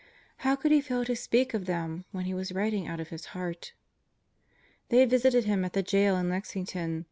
How could he fail to speak of them when he was writing out his heart? They had visited him at the jail in Lexington.